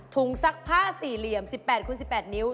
ซักผ้า๔เหลี่ยม๑๘คูณ๑๘นิ้ว